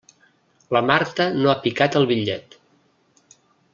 La Marta no ha picat el bitllet.